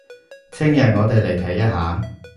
聽日我哋嚟睇一下